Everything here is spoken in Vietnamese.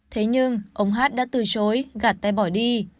thế nhưng ông hát đã từ chối gạt tay bỏ đi